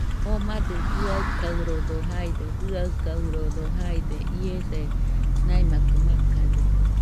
Jomadɨ jɨaɨkaɨrodo jaide, jaɨkaɨrodo jaide. Iese maimakɨ makade.